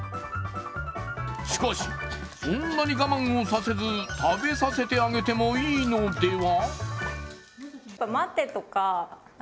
しかし、そんなに我慢をさせず食べさせてあげてもいいのでは？